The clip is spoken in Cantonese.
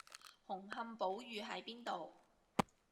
紅磡寶御喺邊度？